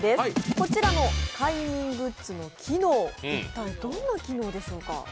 こちらの快眠グッズの機能、一体どんな機能でしょうか。